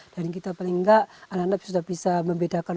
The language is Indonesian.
dan kita paling nggak anak anak sudah bisa membedakan